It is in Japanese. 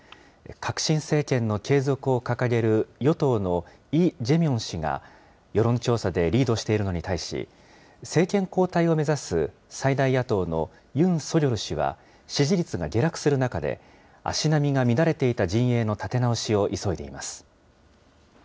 革新政権の継続を掲げる与党のイ・ジェミョン氏が世論調査でリードしているのに対し、政権交代を目指す最大野党のユン・ソギョル氏は支持率が下落する中で、足並みが乱れていた陣営の立て直しを急いでいます。